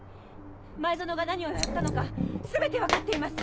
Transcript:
前薗が何をやったのか全て分かっています。